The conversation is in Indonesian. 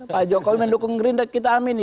pak jokowi mendukung gerindra kita amin